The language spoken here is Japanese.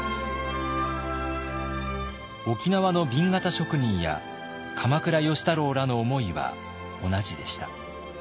沖縄の紅型職人や鎌倉芳太郎らの思いは同じでした。